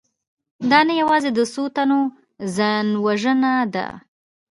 دا نه یوازې د څو تنو ځانوژنه ده